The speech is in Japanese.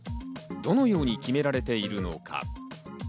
どのように決められているのか？